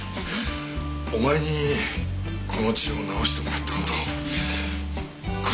お前にこの痔を治してもらった事後